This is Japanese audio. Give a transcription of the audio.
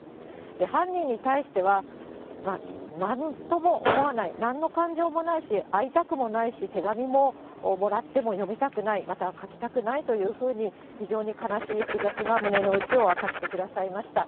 犯人に対しては、なんとも思わない、なんの感情もないし、会いたくもないし、手紙ももらっても読みたくない、また書きたくないというふうに非常に悲しい複雑な胸の内を明かしてくださいました。